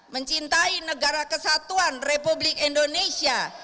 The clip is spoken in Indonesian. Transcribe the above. mencintai negara kesatuan republik indonesia